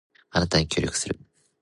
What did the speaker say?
あなたに協力する